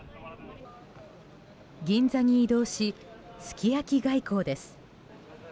銀座に移動しすき焼き外交です。